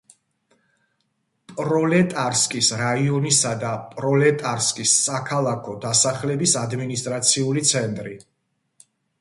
პროლეტარსკის რაიონისა და პროლეტარსკის საქალაქო დასახლების ადმინისტრაციული ცენტრი.